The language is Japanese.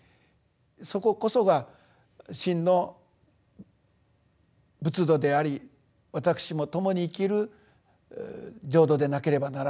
そここそが真の仏土であり私も共に生きる浄土でなければならない。